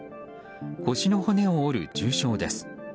腰の骨を折る重傷です。